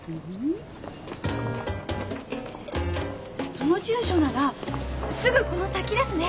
その住所ならすぐこの先ですね。